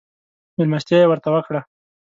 مېلمستيا يې ورته وکړه.